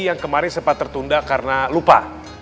yang kemarin sempat tertunda karena lupa